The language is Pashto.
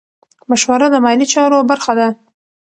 مشوره د مالي چارو برخه ده.